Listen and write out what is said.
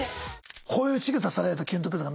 こういうしぐさされるとキュンとくるとかないの？